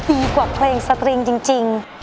ดีกว่าเพลงสตริงจริง